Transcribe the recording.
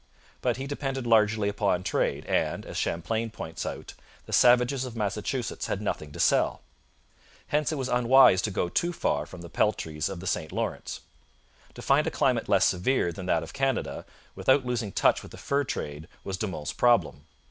But he depended largely upon trade, and, as Champlain points out, the savages of Massachusetts had nothing to sell. Hence it was unwise to go too far from the peltries of the St Lawrence. To find a climate less severe than that of Canada, without losing touch with the fur trade, was De Monts' problem.